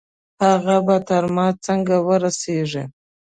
هغه به تر ما څنګه ورسېږي؟